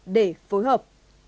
để phối hợp